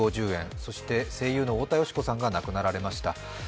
そして声優の太田淑子さんが亡くなられました。